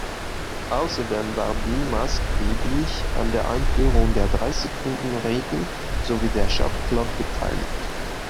Außerdem war Bee maßgeblich an der Einführung der Drei-Sekunden-Regel sowie der Shotclock beteiligt.